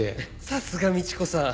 さすが倫子さん。